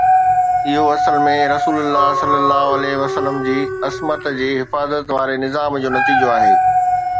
اهو اصل ۾ رسول الله ﷺ جي عصمت جي حفاظت واري نظام جو نتيجو آهي